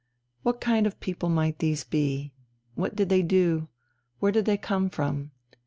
What kind of young people might these be? What did they do? Where did they come from?